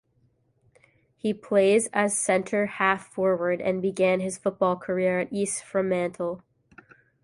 He plays as a centre half-forward and began his football career at East Fremantle.